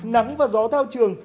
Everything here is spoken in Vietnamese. nắng và gió theo trường